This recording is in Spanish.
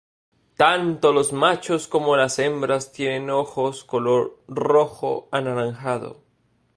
Tanto los machos como las hembras tienen ojos color rojo-anaranjado.